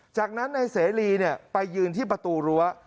จากนั้นนายเสรีไปยืนที่ประตูรั้ว